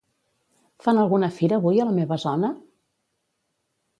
Fan alguna fira avui a la meva zona?